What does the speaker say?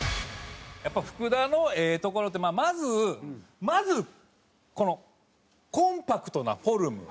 やっぱ福田のええところってまずまずこのコンパクトなフォルム。